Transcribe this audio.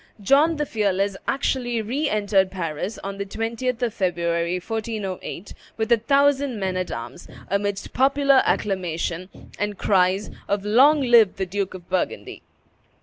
John the Fearless actually re entered Paris on the 20th of February, 1408, with a thousand men at arms, amidst popular acclamation, and cries of "Long live the Duke of Burgundy!"